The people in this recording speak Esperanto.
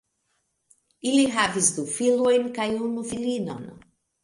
Ili havis du filojn kaj unu filinon.